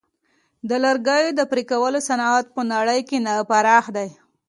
د لرګیو د پرې کولو صنعت په نړۍ کې پراخ دی.